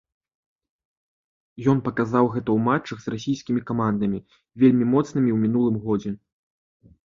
Ён паказаў гэта ў матчах з расійскімі камандамі, вельмі моцнымі ў мінулым годзе.